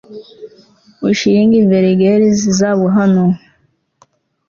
Ushring vergers zabo hano